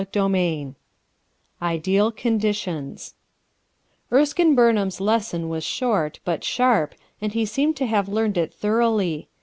CHAPTER VI IDEAL CONDITIONS ERSKINE BURNHAtt'S lesson was short, but sharp, and he seemed to have learned it thoroughly.